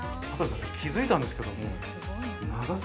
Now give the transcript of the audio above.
気付いたんですけど。